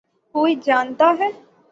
کوئی جانتا ہے۔